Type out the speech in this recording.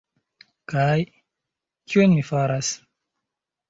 Kaj... kion mi faras?